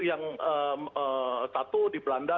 yang satu di belanda